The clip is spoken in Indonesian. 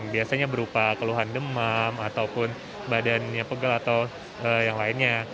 biasanya berupa keluhan demam ataupun badannya pegel atau yang lainnya